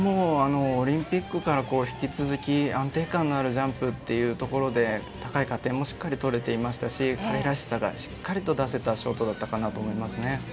オリンピックから引き続き安定感のあるジャンプというところで高い加点もしっかり取れていましたし彼らしさがしっかり出せたショートだったと思いますね。